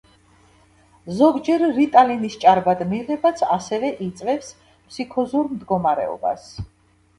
ზოგჯერ, რიტალინის® ჭარბად მიღებაც ასევე იწვევს ფსიქოზურ მდგომარეობას.